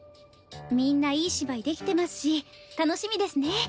みんないい芝居できてますし楽しみですね。